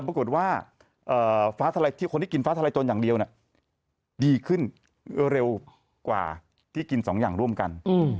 แต่ปรากฏว่าฟ้าทลายที่คนที่กินฟ้าทลายโจรอย่างเดียวเนี่ยดีขึ้นเร็วกว่าที่กินสองอย่างร่วมกัน